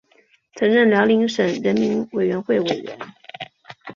曾任辽宁省人民委员会委员。